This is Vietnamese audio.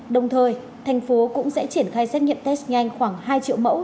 đồng thời thành phố cũng sẽ triển khai xét nghiệm test nhanh khoảng hai triệu mẫu